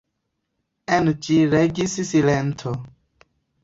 En ĝi regis silento.